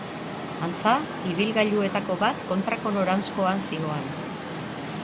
Antza, ibilgailuetako bat kontrako noranzkoan zihoan.